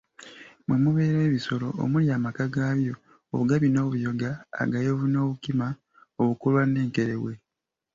"Mwe mubeera ebisolo. Omuli amaka gaabyo, obugabi n’obuyoga, agayovu n’obukima, obuukolwa n’enkerebwe."